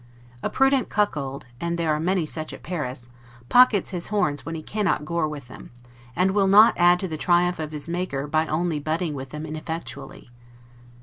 A prudent cuckold (and there are many such at Paris) pockets his horns when he cannot gore with them; and will not add to the triumph of his maker by only butting with them ineffectually.